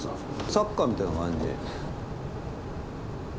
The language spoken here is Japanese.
サッカーみたいな感じ。